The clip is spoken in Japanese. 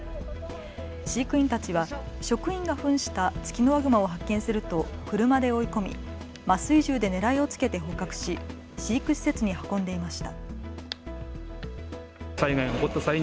飼育員たちは職員がふんしたツキノワグマを発見すると車で追い込み麻酔銃で狙いをつけて捕獲し飼育施設に運んでいました。